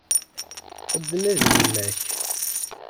Ad d-nnadi yemma-k.